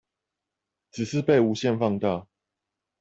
只是被無限放大